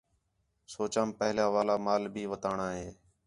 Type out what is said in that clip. سوچام پہلے والا مال بھی وَتاݨاں ہِے